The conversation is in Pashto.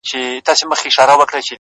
ته دي ټپه په اله زار پيل کړه،